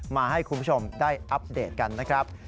มาให้คุณผู้ชมได้อัปเดตกันนะครับ